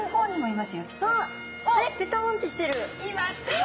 いました！